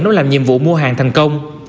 nó làm nhiệm vụ mua hàng thành công